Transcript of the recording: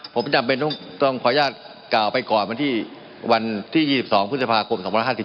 ผมจำเป็นต้องขออนุญาตกล่าวไปก่อนวันที่๒๒พฤษภาคม๒๕๖๒